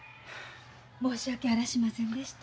申し訳あらしませんでした。